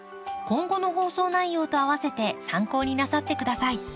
今後の放送内容とあわせて参考になさって下さい。